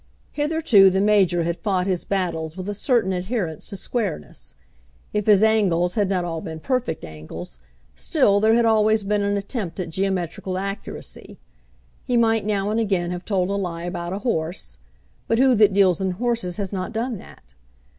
Hitherto the Major had fought his battles with a certain adherence to squareness. If his angles had not all been perfect angles, still there had always been an attempt at geometrical accuracy. He might now and again have told a lie about a horse but who that deals in horses has not done that?